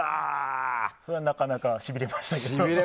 それはなかなかしびれました。